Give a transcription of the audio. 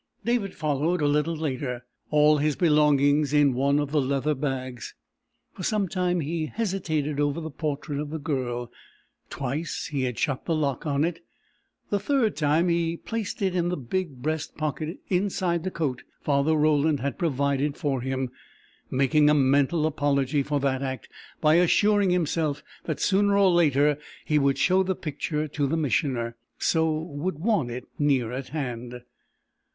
David followed a little later, all his belongings in one of the leather bags. For some time he had hesitated over the portrait of the Girl; twice he had shut the lock on it; the third time he placed it in the big, breast pocket inside the coat Father Roland had provided for him, making a mental apology for that act by assuring himself that sooner or later he would show the picture to the Missioner, so would want it near at hand.